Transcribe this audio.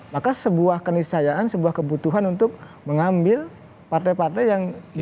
maka sebuah keniscayaan sebuah kebutuhan untuk mengambil partai partai yang